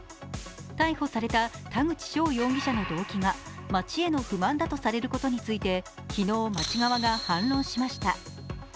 逮捕された田口翔容疑者の動機が町への不満だとされることについて昨日、町側が反論しました。